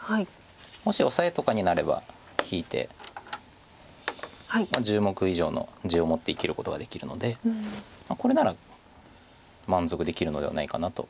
もしオサエとかになれば引いて１０目以上の地を持って生きることができるのでこれなら満足できるのではないかなと。